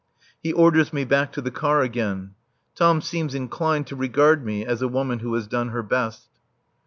He orders me back to the car again. Tom seems inclined to regard me as a woman who has done her best.